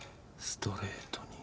ストレートに。